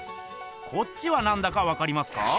こっちはなんだかわかりますか？